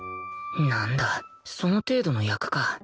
なんだその程度の役か